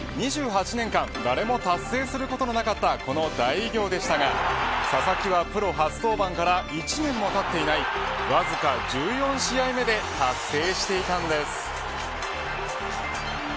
２８年間、誰も達成することのなかったこの大偉業でしたが佐々木はプロ初登板から１年も経っていないわずか１４試合目で達成していたんです。